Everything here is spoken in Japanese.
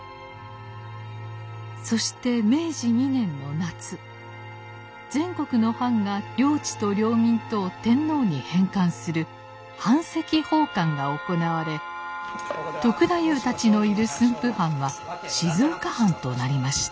そして明治二年の夏全国の藩が領地と領民とを天皇に返還する版籍奉還が行われ篤太夫たちのいる駿府藩は静岡藩となりました。